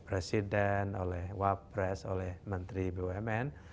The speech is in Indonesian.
presiden oleh wapres oleh menteri bumn